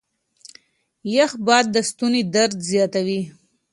يخ باد د ستوني درد زياتوي.